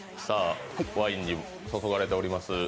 さあ、ワインに注がれております。